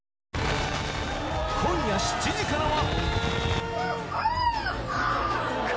今夜７時からは。